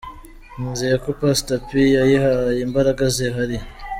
Nizeye ko Pastor P yayihaye imbaraga zihariye.